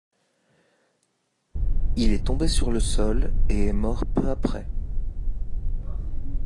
Il est tombé sur le sol et est mort peu après.